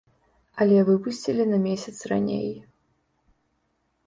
Але выпусцілі на месяц раней.